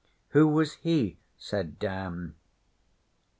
'Who was he?' said Dan.